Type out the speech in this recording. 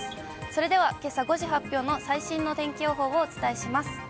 それではけさ５時発表の最新の天気予報をお伝えします。